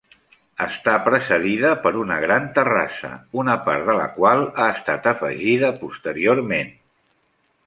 Està precedida per una gran terrassa, una part de la qual ha estat afegida posteriorment.